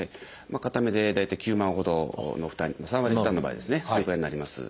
片目で大体９万ほどの負担３割負担の場合それぐらいになります。